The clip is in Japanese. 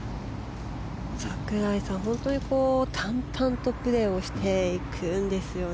櫻井さんは本当に淡々とプレーをしていくんですよね。